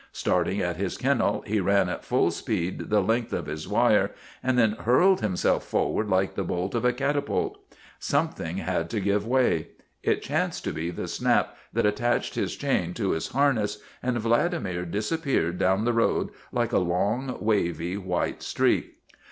Starting at his kennel he ran at full speed the length of his wire and then hurled himself forward like the bolt of a catapult. Some thing had to give way. It chanced to be the snap that attached his chain to his harness, and Vladimir 178 THE BLOOD OF HIS FATHERS disappeared down the road like a long, wavy, white streak.